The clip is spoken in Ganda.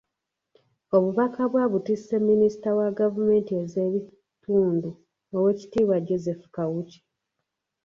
Obubaka bwe abutisse minisita wa gavumenti ez'ebitundu Oweekitiibwa Joseph Kawuki.